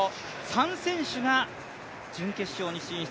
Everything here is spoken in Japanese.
３選手が準決勝に進出。